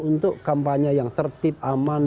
untuk kampanye yang tertib aman